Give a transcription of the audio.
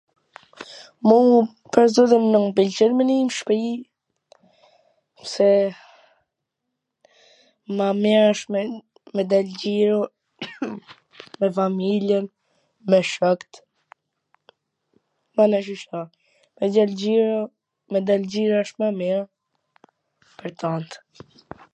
muu pwr zotin m pwlqen me nenj n shpi, se ma mir asht me me dal xhiro me familjen, me shokt, mana qysh t tham, me dal xhiro, me dal xhiro asht ma mir pwr tant